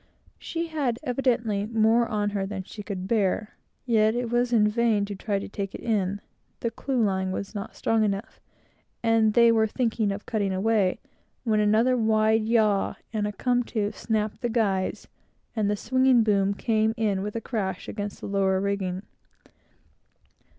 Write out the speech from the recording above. She had evidently more on her than she could bear; yet it was in vain to try to take it in the clewline was not strong enough; and they were thinking of cutting away, when another wide yaw and a come to, snapped the guys, and the swinging boom came in, with a crash, against the lower rigging.